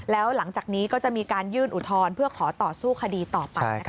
แล้วหลังจากนี้ก็จะมีการยื่นอุทธรณ์เพื่อขอต่อสู้คดีต่อไปนะคะ